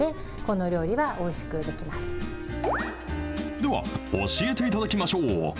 では、教えていただきましょう。